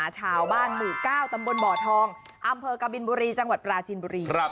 ชาวบ้านหมู่๙ตำบลบ่อทองอำเภอกบินบุรีจังหวัดปราจินบุรี